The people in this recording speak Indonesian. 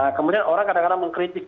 nah kemudian orang kadang kadang mengkritik